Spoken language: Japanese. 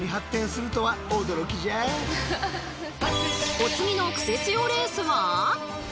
お次のクセつよレースは？